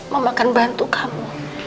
mama akan bantu kamu